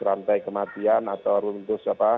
rantai kematian atau